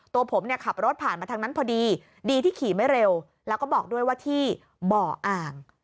ตัวผมเนี่ยขับรถผ่านมาทางนั้นพอดีดีที่ขี่ไม่เร็วแล้วก็บอกด้วยว่าที่บ่ออ่าง